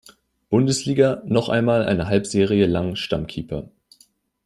Bundesliga noch einmal eine Halbserie lang Stammkeeper.